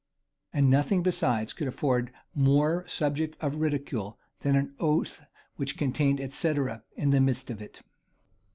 And nothing, besides, could afford more subject of ridicule, than an oath which contained an "et cætera," in the midst of it.